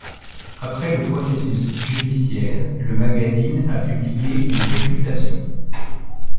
Après le processus judiciaire, le magazine a publié une réfutation.